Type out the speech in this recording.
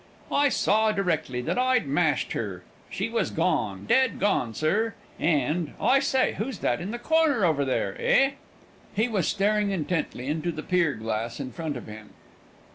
"I saw directly that I'd mashed her; she was gone, dead gone, sir; and I say, who's that in the corner over there eh?" He was staring intently into the pier glass in front of him.